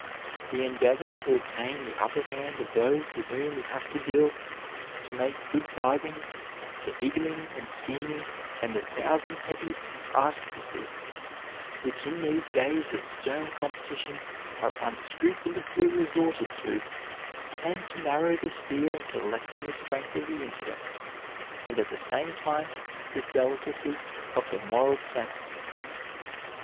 "The endeavor to obtain the upper hand of those with whom we have to deal, to make good bargains, the higgling and scheming, and the thousand petty artifices, which in these days of stern competition are unscrupulously resorted to, tend to narrow the sphere and to lessen the strength of the intellect, and, at the same time, the delicacy of the moral sense."